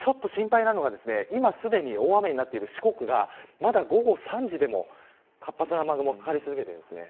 心配なのが、今すでに大雨になっている四国が午後３時でも活発な雨雲がかかり続けています。